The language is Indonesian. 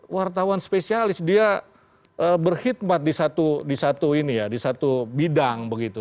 wartawan spesialis dia berkhidmat di satu ini ya di satu bidang begitu